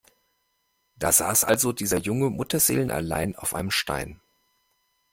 Da saß also dieser Junge mutterseelenallein auf einem Stein.